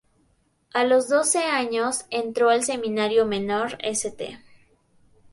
A los doce años, entró al Seminario Menor St.